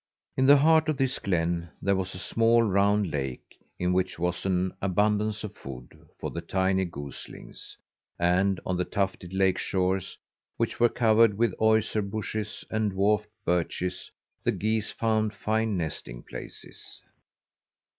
In the heart of this glen there was a small, round lake in which was an abundance of food for the tiny goslings, and on the tufted lake shores which were covered with osier bushes and dwarfed birches the geese found fine nesting places.